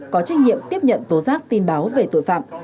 có trách nhiệm tiếp nhận tố giác tin báo về tội phạm